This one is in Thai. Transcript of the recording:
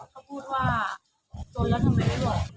เขาพูดว่าโจยะทำไมไม่รอ